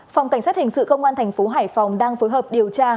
phòng cảnh sát hình sự công an tp hải phòng đang phối hợp điều tra